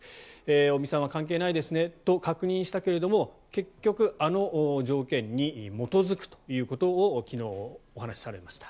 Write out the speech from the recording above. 尾身さんは関係ないですねと確認したけれども結局、あの条件に基づくということを昨日、お話しされました。